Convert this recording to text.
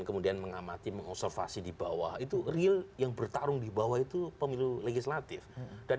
kemudian mengamati mengobservasi di bawah itu real yang bertarung di bawah itu pemilu legislatif dan